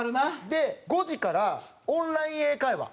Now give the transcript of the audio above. で５時からオンライン英会話。